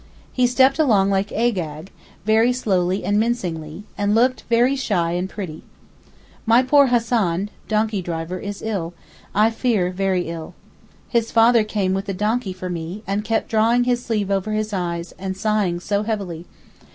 He stepped along like Agag, very slowly and mincingly, and looked very shy and pretty. My poor Hassan (donkey driver) is ill—I fear very ill. His father came with the donkey for me, and kept drawing his sleeve over his eyes and sighing so heavily.